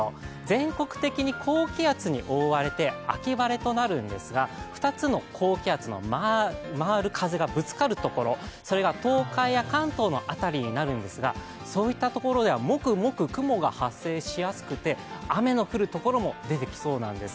全国的に高気圧に覆われて秋晴れとなるんですが、２つの高気圧の回る風がぶつかるところ、それが東海や関東の辺りになるんですがそういったところではもくもく雲が発生しやすくて雨の降るところも出てきそうなんです。